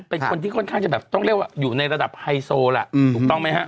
เป็นคนที่ค่อนข้างจะแบบต้องเรียกว่าอยู่ในระดับไฮโซล่ะถูกต้องไหมฮะ